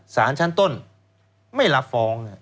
สารชั้นต้นไม่รับฟ้อง